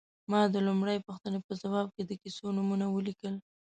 ما د لومړۍ پوښتنې په ځواب کې د کیسو نومونه ولیکل.